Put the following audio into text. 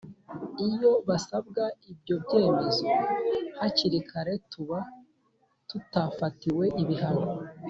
iyo hasabwa ibyo byemezo hakiri kare tuba tutafatiwe ibihano